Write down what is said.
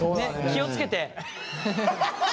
気を付けて。